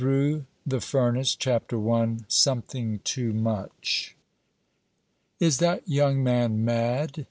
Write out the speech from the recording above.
THROUGH THE FURNACE CHAPTER I. SOMETHING TOO MUCH. "Is that young man mad?"